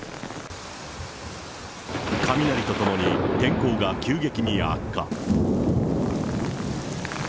雷とともに天候が急激に悪化。